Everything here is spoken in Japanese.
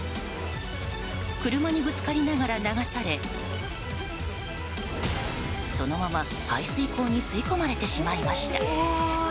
車にぶつかりながら流されそのまま排水溝に吸い込まれてしまいました。